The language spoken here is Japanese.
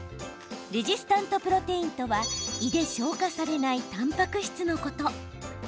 レジスタントプロテインとは胃で消化されないたんぱく質のこと。